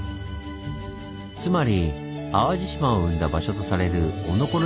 つまり淡路島を生んだ場所とされるおのころ